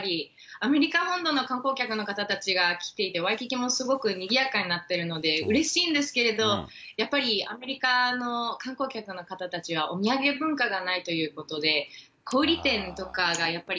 アメリカ本土の観光客の方たちが来ていて、ワイキキもすごくにぎやかになってるのでうれしいんですけれども、やっぱりアメリカの観光客の方たちはお土産文化がないということで、小売り店とかがやっぱり